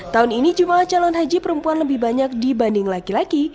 tahun ini jemaah calon haji perempuan lebih banyak dibanding laki laki